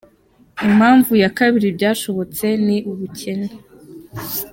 Impamvu ya kabiri byashobotse ni ubukene.